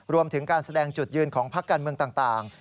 รวมถึงการแสดงจุดยืนของพักการเมืองต่าง